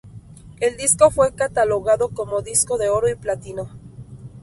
El disco fue catalogado como Disco de Oro y Platino.